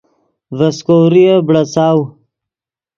ڤے سیکوریف بڑاڅاؤ